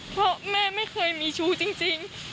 เพราะแม่ไม่เคยมีชู้จริง